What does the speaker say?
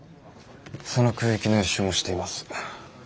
その空域の予習もしています。